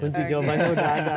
kunci jawabannya sudah ada